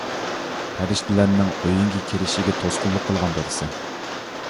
پەرىشتىلەرنىڭ ئۆيۈڭگە كىرىشىگە توسقۇنلۇق قىلغان بولىسەن.